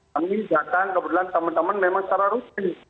tapi kebetulan teman teman memang secara rutin